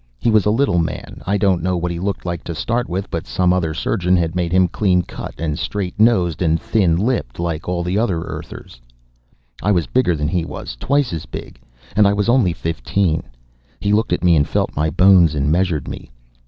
He was a little man; I don't know what he looked like to start with but some other surgeon had made him clean cut and straight nosed and thin lipped like all the other Earthers. I was bigger than he was twice as big, and I was only fifteen. He looked at me and felt my bones and measured me.